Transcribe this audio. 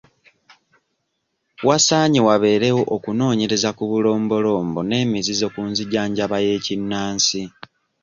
Wasaanye wabeerewo okunoonyereza ku bulombolombo n'emizizo mu nzijanjaba y'ekinnansi.